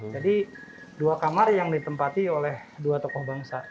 jadi dua kamar yang ditempati oleh dua tokoh bangsa